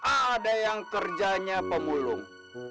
ada yang kerjanya pemulung